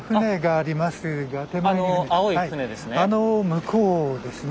あの向こうですね。